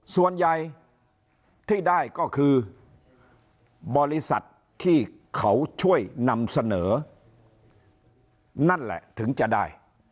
ส่วนใหญ่ที่ได้ก็คือบริษัทที่เขาช่วยนำเสนอนั่นแหละถึงจะได้